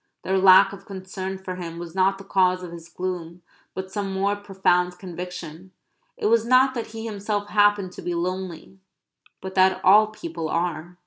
Their lack of concern for him was not the cause of his gloom; but some more profound conviction it was not that he himself happened to be lonely, but that all people are.